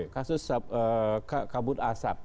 kasus kabut asap